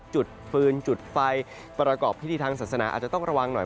จุดฟืนจุดไฟประกอบพิธีทางศาสนาอาจจะต้องระวังหน่อย